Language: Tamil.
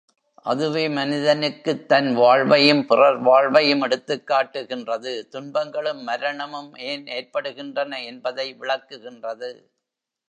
அதுவே மனிதனுக்குத் தன் வாழ்வையும், பிறர் வாழ்வையும் எடுத்துக் காட்டுகின்றது துன்பங்களும் மரணமும் ஏன் ஏற்படுகின்றன என்பதை விளக்குகின்றது.